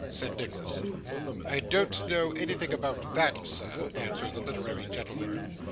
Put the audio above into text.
said Nicholas. 'I don't know anything about that, sir,' answered the literary gentleman.